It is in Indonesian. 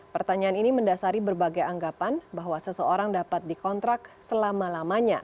pertanyaan ini mendasari berbagai anggapan bahwa seseorang dapat dikontrak selama lamanya